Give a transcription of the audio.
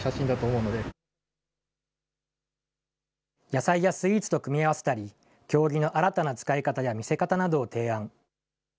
野菜やスイーツと組み合わせたり、経木の新たな使い方や見せ方などを提案。